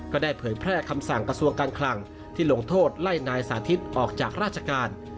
เผยแพร่คำสั่งกระทรวงการคลังที่ลงโทษไล่นายสาธิตออกจากราชการ